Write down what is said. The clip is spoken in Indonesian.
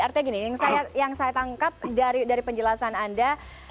artinya gini yang saya tangkap dari penjelasan anda